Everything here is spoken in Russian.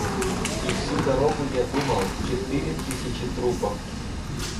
И всю дорогу я думал: четыре тысячи трупов.